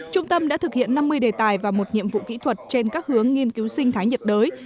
trung tâm đã thực hiện năm mươi đề tài và một nhiệm vụ kỹ thuật trên các hướng nghiên cứu sinh thái nhiệt đới